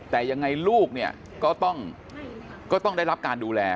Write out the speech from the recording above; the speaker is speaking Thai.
แต่ยังไงลูกเนี่ยก็ต้องได้รับการดูแล